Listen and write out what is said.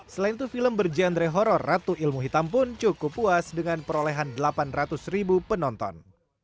selain itu film berjenre horror ratu ilmu hitam pun cukup puas dengan perolehan delapan ratus ribu penonton